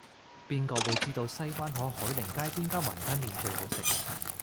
邊個會知道西灣河海寧街邊間雲吞麵最好食